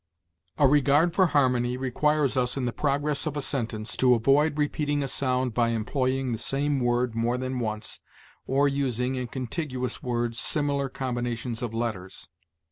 "A regard for harmony requires us, in the progress of a sentence, to avoid repeating a sound by employing the same word more than once, or using, in contiguous words, similar combinations of letters.